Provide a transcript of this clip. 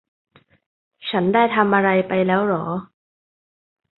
ฉันได้ทำอะไรไปแล้วหรอ